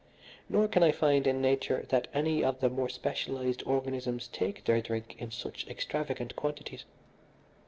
Nor can I find in nature that any of the more specialised organisms take their drink in such extravagant quantities.